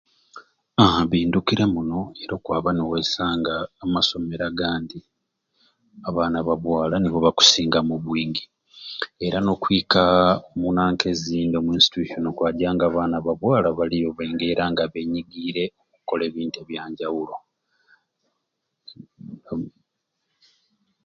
Haa bindukire muno era okwaba newesanga omu masomero agandi abaana ba bwala nibo bakusingamu obwingi era nokwika munanka ezindi omu institution ezindi okwaja abaana ba bwala nga baliyo baingi nga benyigire omu kikola ebintu ebyanjawulo no